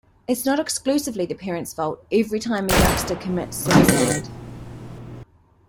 It's not exclusively the parents' fault every time a youngster commits suicide.